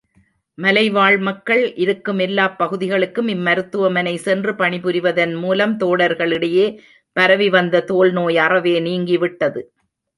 மலைவாழ் மக்கள் இருக்கும் எல்லாப் பகுதிகளுக்கும் இம்மருத்துவமனை சென்று பணிபுரிவதன் மூலம் தோடர்களிடையே பரவிவந்த தோல்நோய் அறவே நீங்கிவிட்டது.